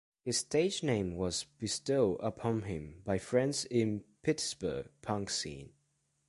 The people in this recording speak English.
His stage name was bestowed upon him by friends in Pittsburgh's punk scene.